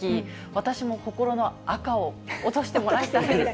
私も心のあかを落としてもらいたいです。